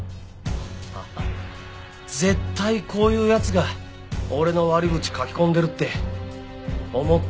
ああ絶対こういう奴が俺の悪口書き込んでるって思ったんだよ。